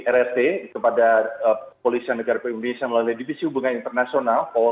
rrt kepada polisi negara indonesia melalui divisi hubungan internasional